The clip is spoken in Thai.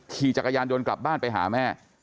ขี่จักรยานยนต์กลับบ้านไปหาแม่